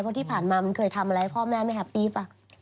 เพราะที่ผ่านมามันเคยทำอะไรให้พ่อแม่ไม่แฮปปี้ป่ะ